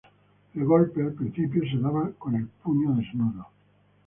El golpe, al principio, se daba con el puño desnudo.